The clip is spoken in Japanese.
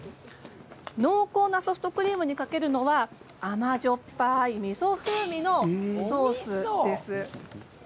濃厚なソフトクリームにかけるのは甘じょっぱいみそ風味のソースなんです。